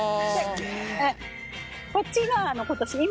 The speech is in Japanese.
こっちが今年。